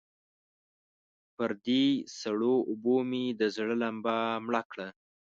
پر دې سړو اوبو مې د زړه لمبه مړه کړه.